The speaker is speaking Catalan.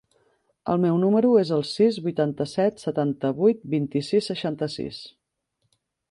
El meu número es el sis, vuitanta-set, setanta-vuit, vint-i-sis, seixanta-sis.